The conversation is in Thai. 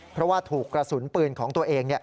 เพราะว่าถูกกระสุนปืนของตัวเอง